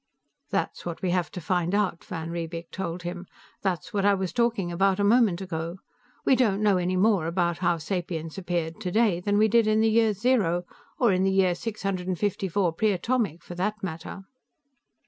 "That's what we have to find out," van Riebeek told him. "That's what I was talking about a moment ago. We don't know any more about how sapience appeared today than we did in the year zero, or in the year 654 Pre Atomic for that matter."